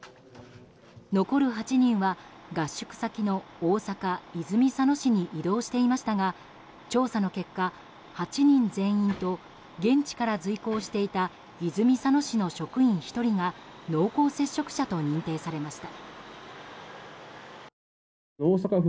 残る８人は合宿先の大阪・泉佐野市に移動していましたが調査の結果、８人全員と現地から随行していた泉佐野市の職員１人が濃厚接触者と認定されました。